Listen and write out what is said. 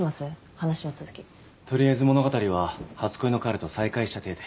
話の続きとりあえず物語は初恋の彼と再会した体で